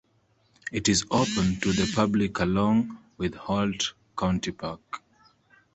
It is open to the public along with Holt Country Park.